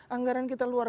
anggaran kita luar